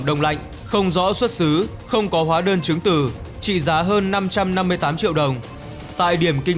đông lạnh không rõ xuất xứ không có hóa đơn chứng từ trị giá hơn năm trăm năm mươi tám triệu đồng tại điểm kinh